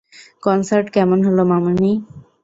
Concert কেমন হল, মামুনি?